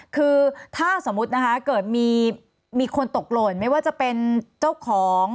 คือถ้าสมมุตินะคะเกิดมีคนตกหล่นไม่ว่าจะเป็นเจ้าของ